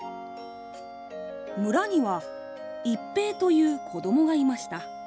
村には一平という子どもがいました。